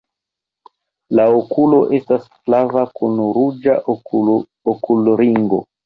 La okulo estas flava kun ruĝa okulringo.